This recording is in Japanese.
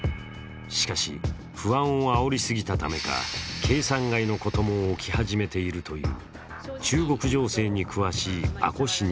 しかし、不安をあおり過ぎたためか計算外のことも起き始めているという。